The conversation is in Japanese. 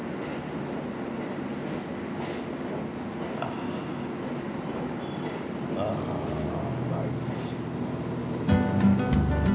あうまい。